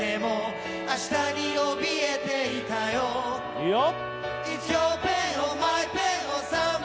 いいよ！